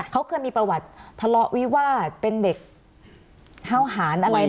เขาเคยมีประวัติทะเลาะวิวาสเป็นเด็กห้าวหารอะไร